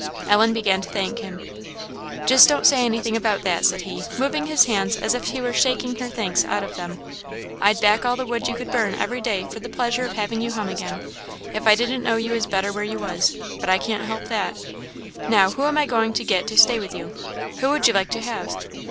Ellen began to thank him. "Just don't say anything about that," said he, moving his hands as if he were shaking her thanks out of them; "I'd back all the wood you could burn every day for the pleasure of having you hum again, if I didn't know you was better where you was; but I can't help that. Now, who am I going to get to stay with you? Who would you like to have."